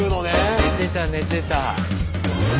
寝てた寝てた。